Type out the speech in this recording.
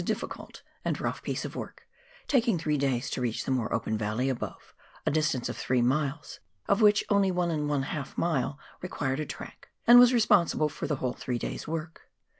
difficult and rough piece of work, taking three days to reach the more open valley above, a distance of three miles, of which only one and a half mile required a track, and was responsible for the whole three days' work.